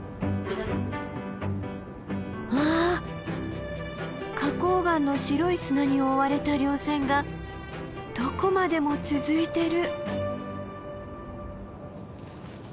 わあ花崗岩の白い砂に覆われた稜線がどこまでも続いてる。